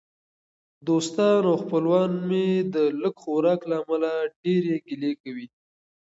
دوستان او خپلوان مې د لږ خوراک له امله ډېرې ګیلې کوي.